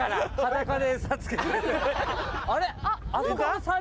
あれ？